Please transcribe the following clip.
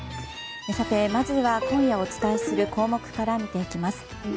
さて、まずは今夜お伝えする項目から見ていきます。